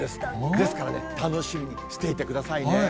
ですからね、楽しみにしていてくださいね。